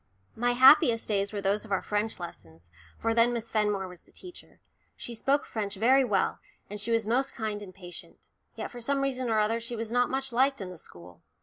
My happiest days were those of our French lessons, for then Miss Fenmore was the teacher. She spoke French very well, and she was most kind and patient. Yet for some reason or other she was not much liked in the school.